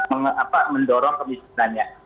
secara mendorong kemiskinannya